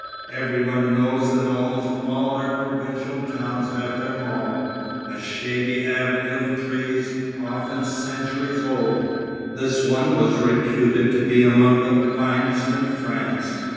Everyone knows that almost all our provincial towns have their mall, a shady avenue of trees often centuries old; this one was reputed to be among the finest in France.